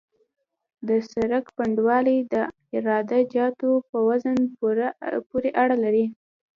د سرک پنډوالی د عراده جاتو په وزن پورې اړه لري